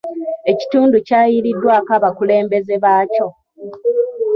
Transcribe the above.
Ekitundu kyayiiriddwako abakulembeze baakyo.